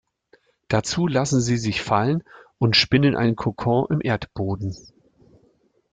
Dazu lassen sie sich fallen und spinnen einen Kokon im Erdboden.